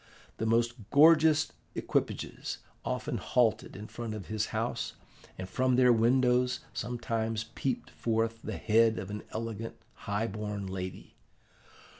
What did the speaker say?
The most gorgeous equipages often halted in front of his house, and from their windows sometimes peeped forth the head of an elegant high born lady.